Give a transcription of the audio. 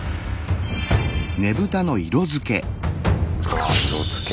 ああ色づけ。